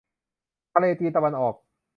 ทะเลจีนตะวันออก